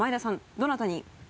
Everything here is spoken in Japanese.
どなたに？